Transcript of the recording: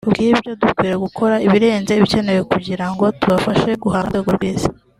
Ku bw’ibyo dukwiye gukora ibirenze ibikenewe kugira ngo tubashe guhangana ku rwego rw’Isi